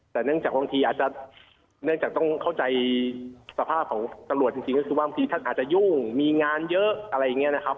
แต่เนื่องจากบางทีอาจจะเนื่องจากต้องเข้าใจสภาพของตำรวจจริงก็คือว่าบางทีท่านอาจจะยุ่งมีงานเยอะอะไรอย่างนี้นะครับ